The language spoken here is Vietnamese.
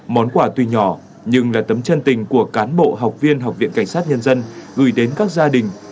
món quà tuy nhỏ nhưng là tấm chân tình của cán bộ học viên học viện cảnh sát nhân dân gửi đến các gia đình